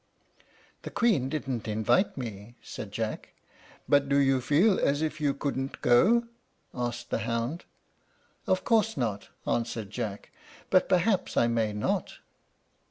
"The Queen didn't invite me," said Jack. "But do you feel as if you couldn't go?" asked the hound. "Of course not," answered Jack; "but perhaps I may not."